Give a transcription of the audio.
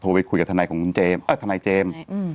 โทรไปคุยกับทนายเจมส์